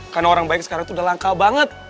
karena orang baik sekarang itu udah langka banget